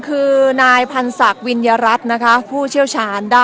คือนายพันธุ์สัควิญยรัชนะคะผู้เชี่ยวชานด้าน